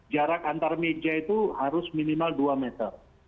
jarak antar meja itu harus minimal dua meter